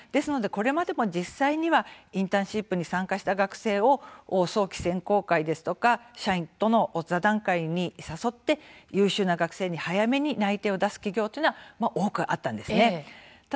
これまでも実際にインターンシップに参加した学生を早期選考会や社員との座談会に誘い優秀な学生に早めに内定を出す企業は多くありました。